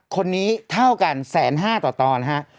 คนนี้เท่ากัน๑๕๐๐ต่อตอนฮะ